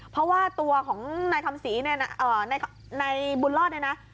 เพราะว่าตัวของนายคำศรีเนี่ยนายบุญรอดเนี่ยนะ